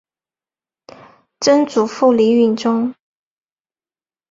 曾祖父李允中。